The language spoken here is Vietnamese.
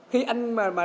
khi anh mà